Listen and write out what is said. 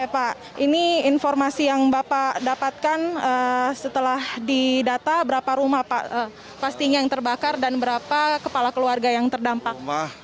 pak ini informasi yang bapak dapatkan setelah didata berapa rumah pastinya yang terbakar dan berapa kepala keluarga yang terdampak